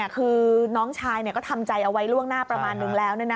คือน้องชายก็ทำใจเอาไว้ล่วงหน้าประมาณนึงแล้ว